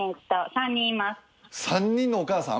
３人のお母さん？